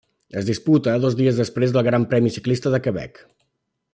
Es disputa dos dies després del Gran Premi Ciclista de Quebec.